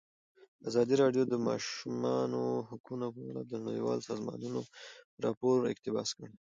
ازادي راډیو د د ماشومانو حقونه په اړه د نړیوالو سازمانونو راپورونه اقتباس کړي.